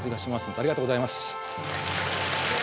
おめでとうございます。